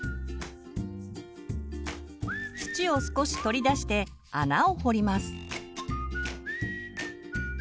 土を少し取り出して穴を掘ります。